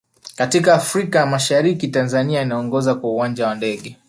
katika afrika mashariki tanzania inaongoza kwa uwanja wa ndege